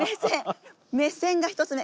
目線が１つ目。